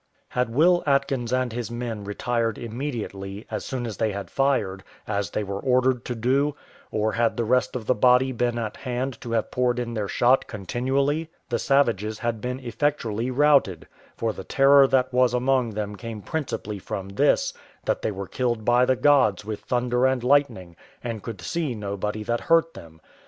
Had Will Atkins and his men retired immediately, as soon as they had fired, as they were ordered to do, or had the rest of the body been at hand to have poured in their shot continually, the savages had been effectually routed; for the terror that was among them came principally from this, that they were killed by the gods with thunder and lightning, and could see nobody that hurt them.